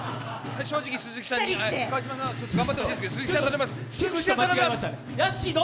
正直鈴木さんに、川島さんには頑張ってほしいですけど。